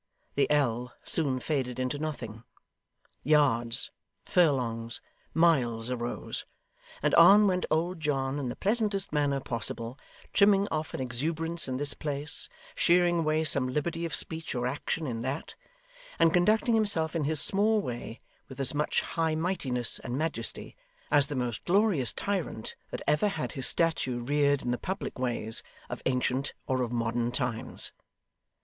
The ell soon faded into nothing. Yards, furlongs, miles arose; and on went old John in the pleasantest manner possible, trimming off an exuberance in this place, shearing away some liberty of speech or action in that, and conducting himself in his small way with as much high mightiness and majesty, as the most glorious tyrant that ever had his statue reared in the public ways, of ancient or of modern times.